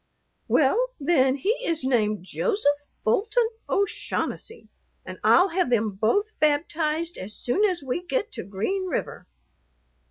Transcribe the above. "Well, then, he is named Joseph Bolton O'Shaughnessy, and I'll have them both baptized as soon as we get to Green River."